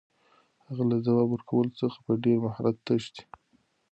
هغه له ځواب ورکولو څخه په ډېر مهارت تښتي.